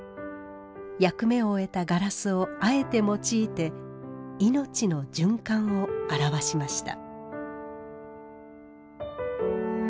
役目を終えたガラスをあえて用いて命の循環を表しました。